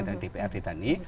dari dprd dan i